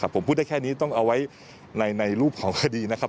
ผมพูดได้แค่นี้ต้องเอาไว้ในรูปของคดีนะครับ